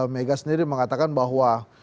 mega sendiri mengatakan bahwa